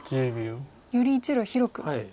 より１路広く。